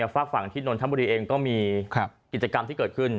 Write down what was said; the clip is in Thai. ฝากฝั่งที่นนทบุรีเองก็มีกิจกรรมที่เกิดขึ้น